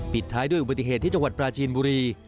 ท้ายด้วยอุบัติเหตุที่จังหวัดปราจีนบุรี